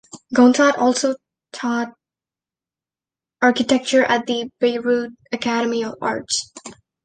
Gontard also taught architecture at the Bayreuth Academy of Arts.